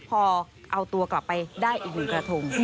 พอเอาตัวกลับไปได้อีกหนึ่งกระทง